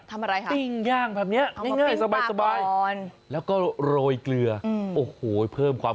ทำอะไรคะปิ้งย่างแบบนี้เอาง่ายสบายแล้วก็โรยเกลือโอ้โหเพิ่มความ